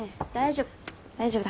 大丈夫。